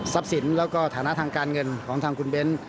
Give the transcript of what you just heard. ทรัพย์สินและฐานะทางการเงินของทางคุณเบนท์